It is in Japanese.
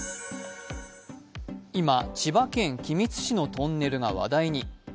今、千葉県君津市のトンネルが話題に。